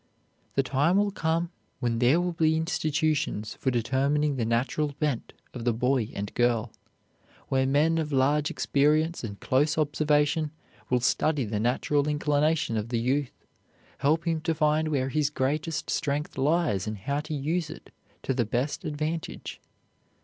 The time will come when there will be institutions for determining the natural bent of the boy and girl; where men of large experience and close observation will study the natural inclination of the youth, help him to find where his greatest strength lies and how to use it to the best advantage.